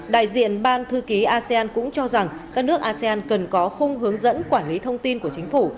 đại diện ban thư ký asean cũng cho rằng các nước asean cần có khung hướng dẫn quản lý thông tin của chính phủ